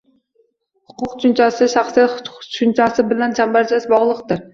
«Huquq» tushunchasi «shaxsiyat» tushunchasi bilan chambarchas bog‘liqdir.